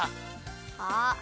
あっ。